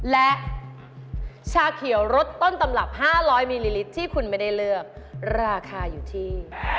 และชาเขียวรสต้นตำรับ๕๐๐มิลลิลิตรที่คุณไม่ได้เลือกราคาอยู่ที่